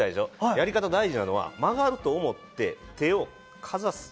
やり方、大事なのは曲がると思って手をかざす。